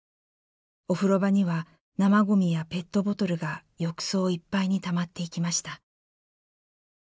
お風呂場には生ゴミやペットボトルが浴槽いっぱいにたまっていきました。